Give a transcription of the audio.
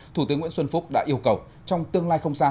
thủ tướng nguyễn xuân phúc đã yêu cầu trong tương lai không xa